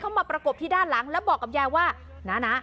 มาประกบที่ด้านหลังแล้วบอกกับยายว่าน้านะ